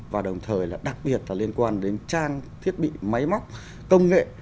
và đồng thời là đặc biệt là liên quan đến trang thiết bị máy móc công nghệ